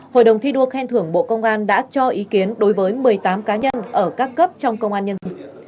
hội đồng thi đua khen thưởng bộ công an đã cho ý kiến đối với một mươi tám cá nhân ở các cấp trong công an nhân dân